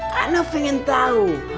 saya ingin tahu